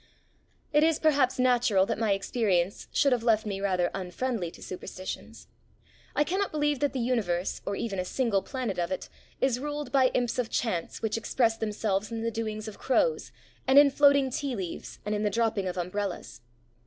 It is, perhaps, natural that my experience should have left me rather unfriendly to superstitions. I cannot believe that the universe, or even a single planet of it, is ruled by imps of chance which express themselves in the doings of crows, and in floating tea leaves and in the dropping of umbrellas.